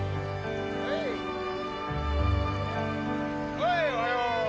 はいおはよう！